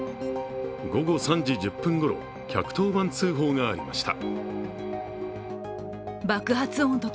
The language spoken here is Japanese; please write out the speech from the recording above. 午後３時１０分ごろ、１１０番通報がありました。